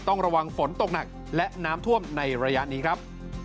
ต้องระวังฝนตกหนักและน้ำท่วมในระยะนี้ครับ